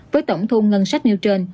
với tổng thu ngân sách nêu trên